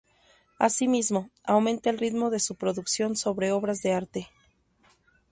Asimismo, aumenta el ritmo de su producción sobre obras de arte.